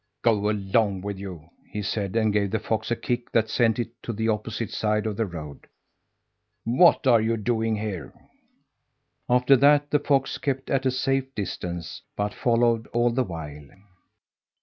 "Go along with you!" he said, and gave the fox a kick that sent it to the opposite side of the road. "What are you doing here?" After that the fox kept at a safe distance, but followed all the while.